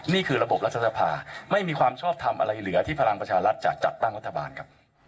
นี่คือระบบรัฐสภาไม่มีความชอบทำอะไรเหลือที่พลังประชารัฐจะจัดตั้งรัฐบาลครับ